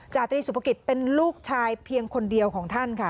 จาตรีสุภกิจเป็นลูกชายเพียงคนเดียวของท่านค่ะ